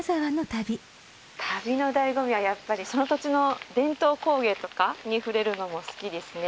旅の醍醐味はやっぱりその土地の伝統工芸とかに触れるのも好きですね。